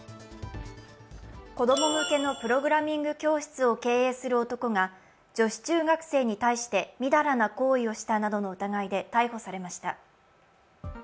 子供向けのプログラミング教室を経営する男が女子中学生に対して、みだらな行為をしたなどの疑いで逮捕されました。